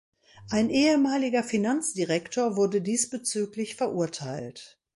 Ein ehemaliger Finanzdirektor wurde diesbezüglich verurteilt.